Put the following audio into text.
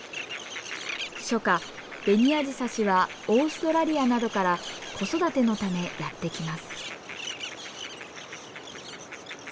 初夏ベニアジサシはオーストラリアなどから子育てのためやって来ます。